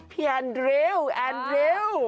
แอนดริวแอนดริว